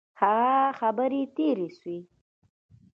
هغه خبري تیري سوې.